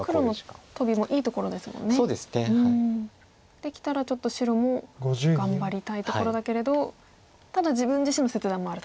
できたらちょっと白も頑張りたいところだけれどただ自分自身の切断もあると。